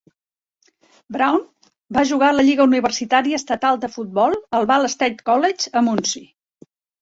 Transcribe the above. Brown va jugar a la lliga universitària estatal de futbol al Ball State College a Muncie.